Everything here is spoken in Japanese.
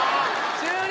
終了！